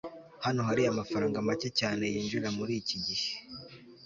hano hari amafaranga make cyane yinjira muri iki gihe